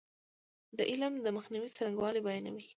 دا علم د مخنیوي څرنګوالی بیانوي.